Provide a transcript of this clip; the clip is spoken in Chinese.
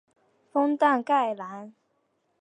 丰坦盖兰。